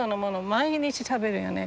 毎日食べるよね